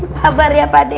sabar ya pade